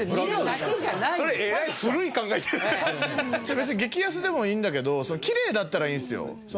別に激安でもいいんだけどきれいだったらいいんですよ。